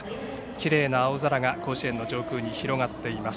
きれいな青空が甲子園の上空に広がっています。